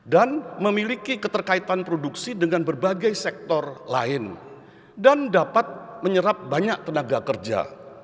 dan memiliki keterkaitan produksi dengan berbagai sektor lain dan dapat menyerap banyak tenaga kerja